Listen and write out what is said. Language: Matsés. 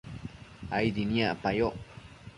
aidi niacpayoc